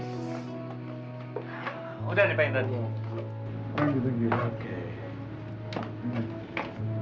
sudahlah karenaaffir baik